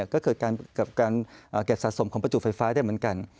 ก็เกิดการเก็บสะสมของประจุไฟฟ้าได้เหมือนกัน